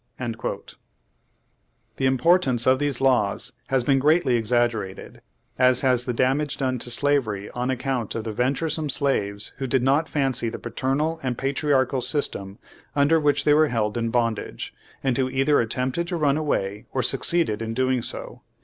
^ The importance of these laws has been greatly exaggerated, as has the damage done to slavery on account of the venturesome slaves who did not fancy the paternal and patriarchial system under which they were held in bondage, and who either attempted to run away or succeeded in doing so.